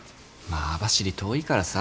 まあ網走遠いからさ。